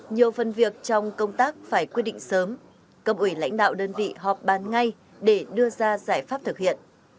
nhiều phần việc trong công tác phải quyết định sớm cấp ủy lãnh đạo đơn vị họp bàn ngay để đưa ra giải pháp thực hiện